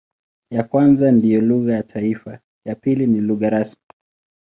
Ya kwanza ndiyo lugha ya taifa, ya pili ni pia lugha rasmi.